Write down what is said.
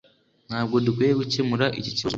Ntabwo dukwiye gukemura iki kibazo ubu